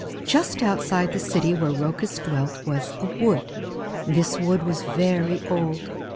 Just outside the city where Rhoecus dwelt was a wood. This wood was very old.